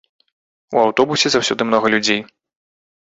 У аўтобусе заўсёды многа людзей.